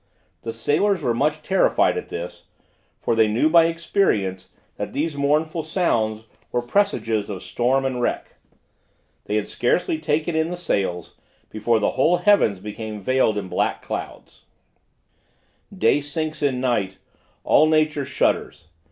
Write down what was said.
The sailors were much terrified at this, for they knew by experience, that these mournful sounds were presages of storm and wreck. They had scarcely taken in the sails, before the whole heavens became veiled in black clouds: Day sinks in night: all nature shudders.